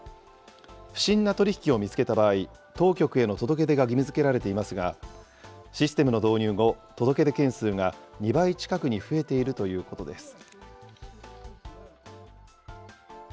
不審な取り引きを見つけた場合、当局への届け出が義務づけられていますが、システムの導入後、届け出件数が２倍近くに増えているということです。